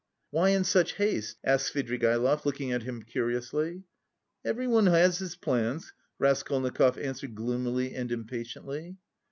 "Why in such haste?" asked Svidrigaïlov, looking at him curiously. "Everyone has his plans," Raskolnikov answered gloomily and impatiently.